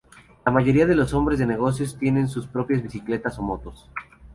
La mayoría de los hombres de negocios tiene sus propias bicicletas o motos.